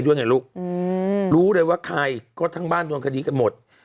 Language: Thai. ด้วยไงลูกรู้เลยว่าใครก็ทั้งบ้านโดนคดีกันหมด